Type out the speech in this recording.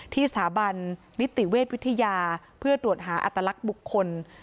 สถาบันนิติเวชวิทยาเพื่อตรวจหาอัตลักษณ์บุคคล